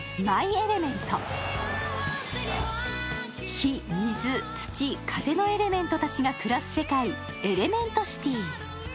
火・水・土・風のエレメントたちが暮らす世界、エレメント・シティ。